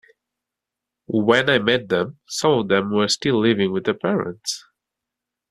When I met them some of them were still living with their parents!